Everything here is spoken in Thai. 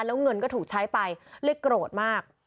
แล้วเงินก็ถูกใช้ไปเลยโกรธมาก